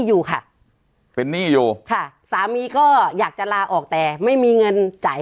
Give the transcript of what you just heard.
อยู่ค่ะเป็นหนี้อยู่ค่ะสามีก็อยากจะลาออกแต่ไม่มีเงินจ่าย